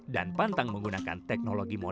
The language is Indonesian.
dan pantang menggunakan teknologi masyarakat